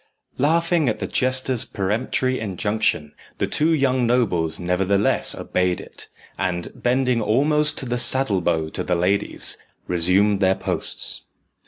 Laughing at the jester's peremptory injunction, the two young nobles nevertheless obeyed it, and, bending almost to the saddle bow to the ladies, resumed their posts.